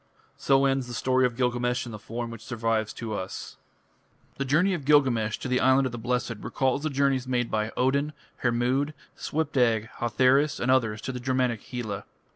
So ends the story of Gilgamesh in the form which survives to us. The journey of Gilgamesh to the Island of the Blessed recalls the journeys made by Odin, Hermod, Svipdag, Hotherus and others to the Germanic Hela.